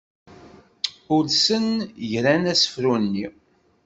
Ulsen ɣran asefru-nni.